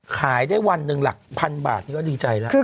ขายได้วันหนึ่งหลักพันบาทนี่ก็ดีใจแล้ว